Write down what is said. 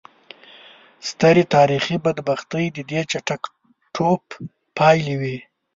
سترې تاریخي بدبختۍ د دې چټک ټوپ پایلې وې.